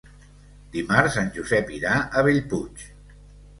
Dimarts en Josep irà a Bellpuig.